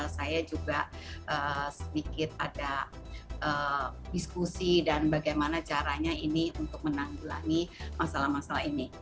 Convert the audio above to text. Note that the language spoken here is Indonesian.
saya juga sedikit ada diskusi dan bagaimana caranya ini untuk menanggulangi masalah masalah ini